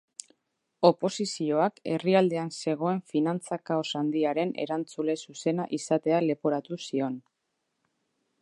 Oposizioak herrialdean zegoen finantza-kaos handiaren erantzule zuzena izatea leporatu zion.